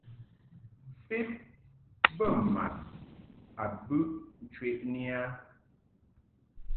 Fed bə mad a bɨʼ ncheʼni a.